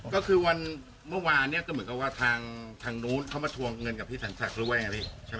ก็คือวันเมื่อวานเนี่ยก็เหมือนกับว่าทางนู้นเขามาทวงเงินกับพี่สันศักดิ์ด้วยไงพี่ใช่ไหม